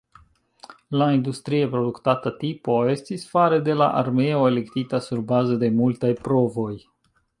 La industrie produktata tipo estis fare de la armeo elektita surbaze de multaj provoj.